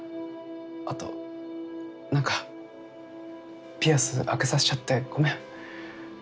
あとなんかピアス開けさせちゃってごめん。